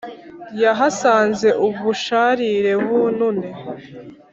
yahasanze ubusharire bu nuni